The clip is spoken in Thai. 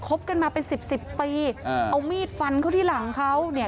บกันมาเป็นสิบสิบปีอ่าเอามีดฟันเขาที่หลังเขาเนี่ย